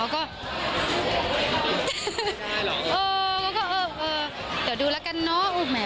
ก็เปล่าเดี๋ยวดูละกันเนาะ